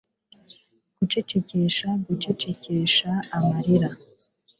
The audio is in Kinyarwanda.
gucecekesha gucecekesha amarira